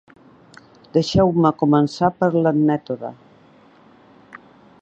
Deixeu-me començar per l’anècdota.